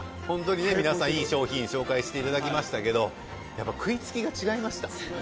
ホントにね皆さんいい商品紹介していただきましたけどやっぱ食い付きが違いました。